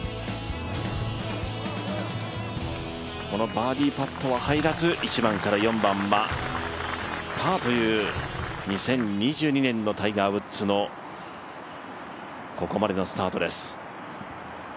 このバーディーパットは入らず１番から４番はパーという２０２２年のタイガー・ウッズのここまでのスタートです。